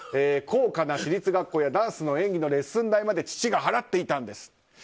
高価な私立学校やダンスの演技のレッスン代まで父が払っていたんです。